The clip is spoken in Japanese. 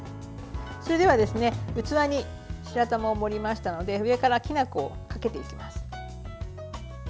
それでは器に白玉を盛りましたので上から、きな粉をかけていきます。